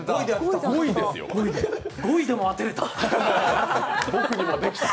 ５位でも当てれた。